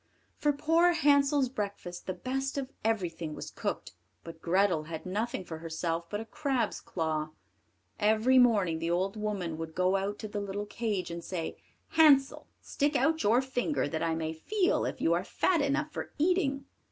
For poor Hansel's breakfast the best of everything was cooked; but Grethel had nothing for herself but a crab's claw. Every morning the old woman would go out to the little cage, and say: "Hansel, stick out your finger, that I may feel if you are fat enough for eating."